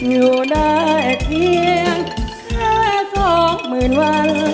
อยู่ได้เพียงแค่สองหมื่นวัน